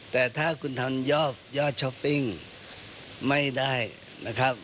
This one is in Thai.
แต่ถ้าคุณทำยอดช้อปปิ้งไม่ได้นะครับ